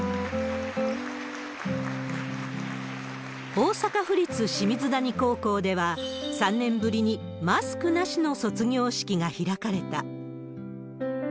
大阪府立清水谷高校では、３年ぶりにマスクなしの卒業式が開かれた。